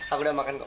aku udah makan kok